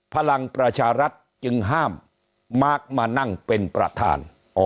พลังประชารัฐจึงห้ามมาร์คมานั่งเป็นประธาน